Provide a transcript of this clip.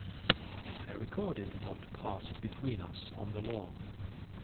I recorded what passed between us on the lawn.